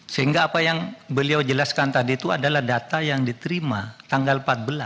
sehingga apa yang beliau jelaskan tadi itu adalah data yang diterima tanggal empat belas